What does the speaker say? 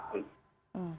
tidak tidak nampak